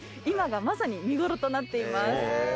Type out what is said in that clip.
今がまさに見頃となっています。